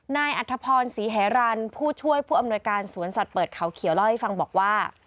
อัธพรศรีแหรันผู้ช่วยผู้อำนวยการสวนสัตว์เปิดเขาเขียวเล่าให้ฟังบอกว่า